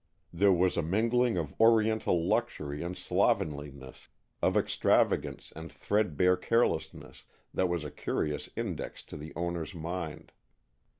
There was a mingling of oriental luxury and slovenliness, of extravagance and threadbare carelessness, that was a curious index to the owner's mind.